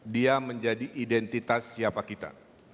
dia menjadi identitas siapa kita